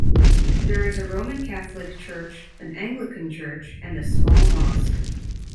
There is a Roman Catholic church, an Anglican church, and a small mosque.